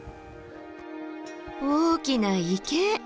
大きな池！